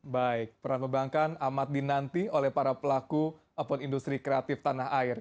baik peran perbankan amat dinanti oleh para pelaku ataupun industri kreatif tanah air